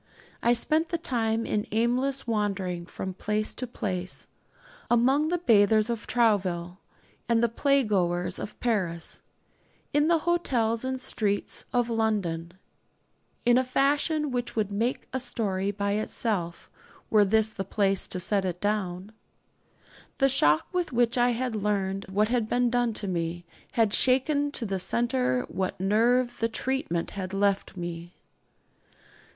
I spent the time in aimless wandering from place to place among the bathers of Trouville and the playgoers of Paris, in the hotels and streets of London in a fashion which would make a story by itself, were this the place to set it down. The shock with which I had learned what had been done to me had shaken to the centre what nerve the 'treatment' had left me.